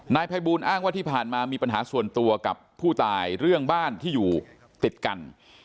นายภัยบูลอ้างว่าที่ผ่านมามีปัญหาส่วนตัวกับผู้ตายเรื่องบ้านที่อยู่ติดกัน